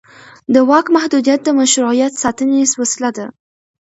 د واک محدودیت د مشروعیت ساتنې وسیله ده